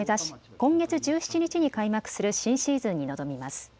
今月１７日に開幕する新シーズンに臨みます。